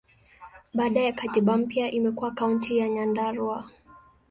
Baada ya katiba mpya, imekuwa Kaunti ya Nyandarua.